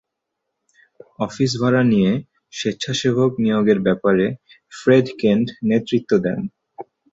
Office ভাড়া নিয়ে স্বেচ্ছাসেবক নিয়োগের ব্যাপারে ফ্রেড কেন্ট নেতৃত্ব দেন।